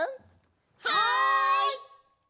はい！